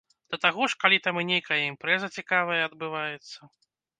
Да таго ж, калі там і нейкая імпрэза цікавая адбываецца.